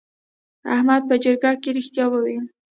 احمد په جرګه کې رښتیا وویل.